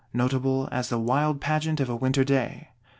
Notable as the wild pageant of a winter day.